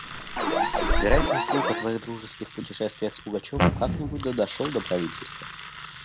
Вероятно, слух о твоих дружеских путешествиях с Пугачевым как-нибудь да дошел до правительства.